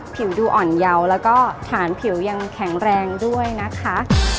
ผิวดูอ่อนเยาว์แล้วก็ฐานผิวยังแข็งแรงด้วยนะคะ